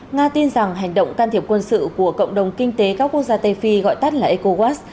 nga tin rằng hành động can thiệp quân sự của cộng đồng kinh tế các quốc gia tây phi gọi tắt là ecowas